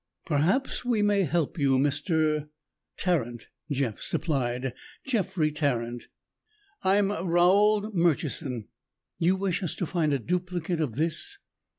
"Perhaps we may help you, Mr. " "Tarrant," Jeff supplied. "Jeffrey Tarrant." "I'm Raold Murchison. You wish us to find a duplicate of this?"